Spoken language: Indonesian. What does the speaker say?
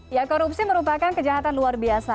ya korupsi merupakan kejahatan luar biasa